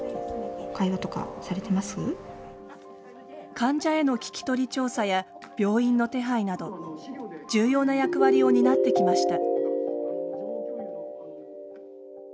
患者への聞き取り調査や病院の手配など重要な役割を担ってきました。